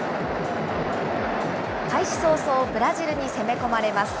開始早々、ブラジルに攻め込まれます。